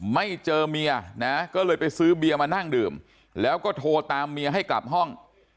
ไม่เจอเมียนะก็เลยไปซื้อเบียร์มานั่งดื่มแล้วก็โทรตามเมียให้กลับห้อง